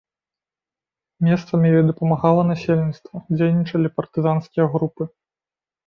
Месцамі ёй дапамагала насельніцтва, дзейнічалі партызанскія групы.